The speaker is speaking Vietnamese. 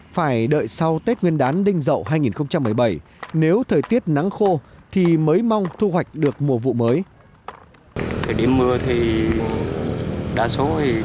phải đợi sau tết nguyên đán đinh dậu hai nghìn một mươi bảy nếu thời tiết nắng khô thì mới mong thu hoạch được mùa vụ mới